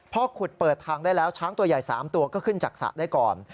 พอขุดเปิดทางได้แล้วช้างตัวใหญ่๓ตัวก็ขึ้นจากสระได้ก่อน